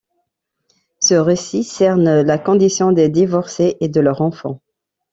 Ce récit cerne la condition des divorcés et de leurs enfants.